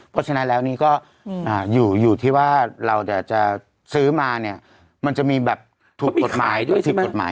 เพราะฉะนั้นแล้วนี้ก็อยู่ที่ว่าเราจะซื้อมาเนี่ยมันจะมีแบบถูกกฎหมายด้วยผิดกฎหมาย